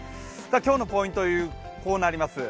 今日のポイント、こうなります。